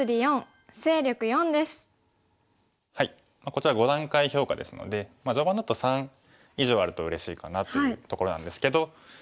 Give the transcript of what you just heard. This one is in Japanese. こちら５段階評価ですので序盤だと３以上あるとうれしいかなというところなんですけど。